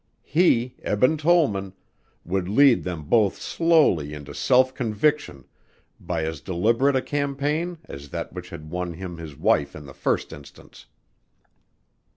He, Eben Tollman, would lead them both slowly into self conviction by as deliberate a campaign as that which had won him his wife in the first instance.